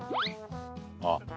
あっ！